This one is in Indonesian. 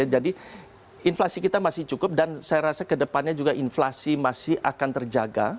jadi inflasi kita masih cukup dan saya rasa ke depannya juga inflasi masih akan terjaga